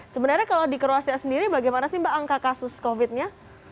sebenarnya kalau di kroasia sendiri bagaimana sih mbak angka kasus covid nya